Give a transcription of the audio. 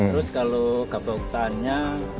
terus kalau gapoktan nya